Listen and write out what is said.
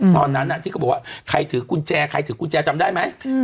ตอนนั้นที่เขาบอกว่าใครถือกุญแจใครถือกุญแจจำได้ไหม